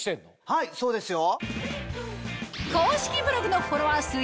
はいそうですよ。